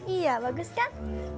iya bagus kan